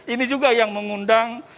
ini juga yang mengundang